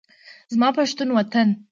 زما پښتون وطن